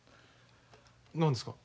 何ですか？